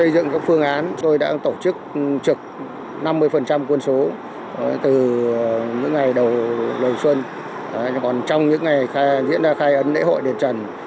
từ những ngày đầu lần xuân còn trong những ngày diễn ra khai ấn lễ hội điện trần